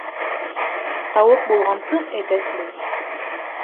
Тауыҡ булғансы, әтәс бул.